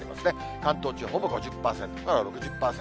関東地方、ほぼ５０％から６０％。